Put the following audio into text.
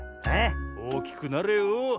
おおきくなれよ。